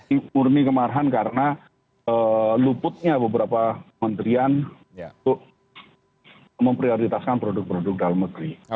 ini murni kemarahan karena luputnya beberapa menterian untuk memprioritaskan produk produk dalam negeri